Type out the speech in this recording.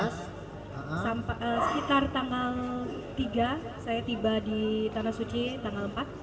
sekitar tanggal tiga saya tiba di tanah suci tanggal empat